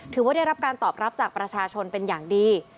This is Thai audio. ถือว่าได้รับการตอบรับจากประชาชนเป็นอย่างดี